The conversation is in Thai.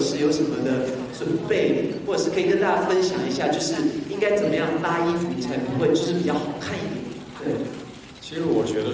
สิ่งที่สำหรับผมคือสำหรับตัวเองคือเขาแนะนำให้ทุกคนก็คือ